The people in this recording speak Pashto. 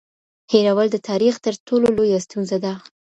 هېرول د تاریخ تر ټولو لویه ستونزه ده.